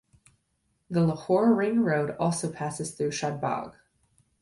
The Lahore Ring Road also passes through Shad Bagh.